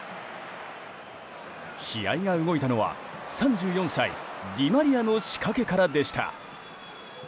試合が動いたのは、３４歳ディマリアの仕掛けからでした。